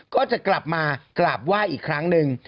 ก็จะกลับมากราบไหว้อีกครั้งหนึ่ง